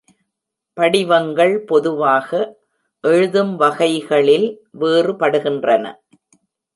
படிவங்கள் பொதுவாக எழுதும் வகைகளில் வேறுபடுகின்றன.